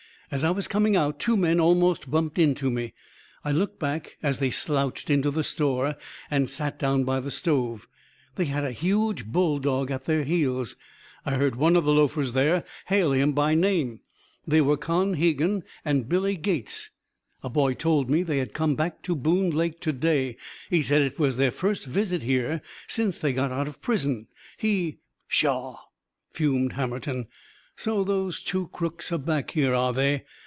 "As I was coming out two men almost bumped into me. I looked back, as they slouched into the store and sat down by the stove. They had a huge bulldog at their heels. I heard one of the loafers there hail them by name. They were Con Hegan and Billy Gates. A boy told me they had come back to Boone Lake to day. He said it was their first visit here since they got out of prison. He " "Pshaw!" fumed Hammerton. "So those two crooks are back here, are they?